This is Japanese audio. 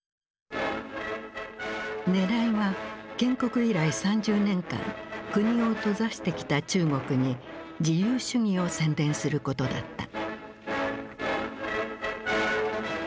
ねらいは建国以来３０年間国を閉ざしてきた中国に自由主義を宣伝することだった。